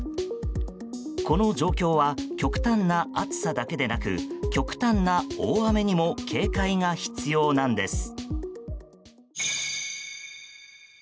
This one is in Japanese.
この状況は極端な暑さだけでなく極端な大雨にも警戒が必要なんです。